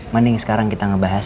mending sekarang kita ngebahas